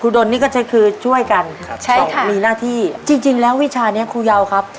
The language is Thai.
ครูดนนี่ก็คือช่วยกันมีหน้าที่จริงแล้ววิชานี้ครูเยาว์ครับ